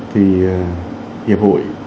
thì hiệp hội